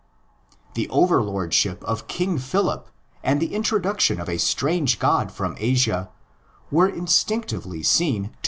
The overlordship of King Philip and the introduction of a strange god from Asia were instinctively seen to be |